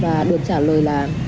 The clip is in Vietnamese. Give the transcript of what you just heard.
và được trả lời là